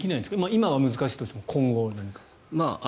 今は難しいとしても今後何か。